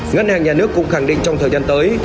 ngân hàng nhà nước cũng khẳng định trong thời gian tới